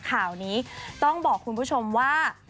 ข่าวนี้ต้องบอกคุณผู้ชมว่า